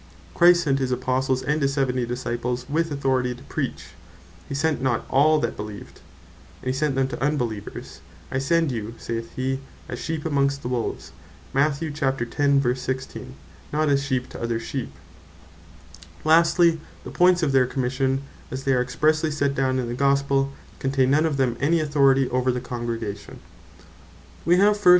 Christ sent his Apostles, and his Seventy Disciples, with authority to preach; he sent not all that beleeved: And he sent them to unbeleevers; "I send you (saith he) as sheep amongst wolves;" not as sheep to other sheep. Argument From The Points Of Their Commission Lastly the points of their Commission, as they are expressely set down in the Gospel, contain none of them any authority over the Congregation. To Preach We have first (Mat.